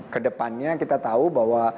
kedepannya kita tahu bahwa